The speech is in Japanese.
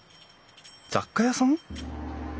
雑貨屋さん？